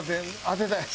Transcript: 当てたい。